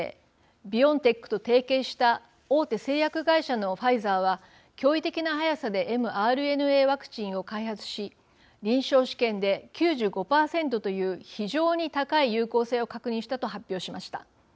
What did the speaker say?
ビオンテックと提携した大手製薬会社のファイザーは驚異的な速さでｍＲＮＡワクチンを開発し臨床試験で９５％という非常に高い有効性を確認したと発表しました。